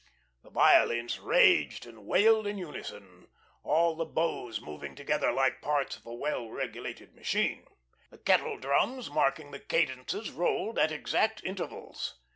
The violins raged and wailed in unison, all the bows moving together like parts of a well regulated machine. The kettle drums, marking the cadences, rolled at exact intervals.